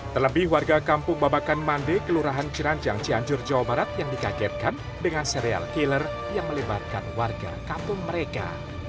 terlebih warga kampung babakan mande kelurahan ciranjang cianjur jawa barat yang dikagetkan dengan serial killer yang melibatkan warga kampung mereka